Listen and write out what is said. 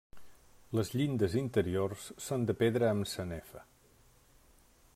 Les llindes interiors són de pedra amb sanefa.